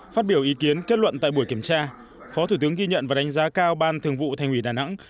phát biểu ý kiến kết luận tại buổi kiểm tra phó thủ tướng ghi nhận và đánh giá cao ban thường vụ thành ủy đà nẵng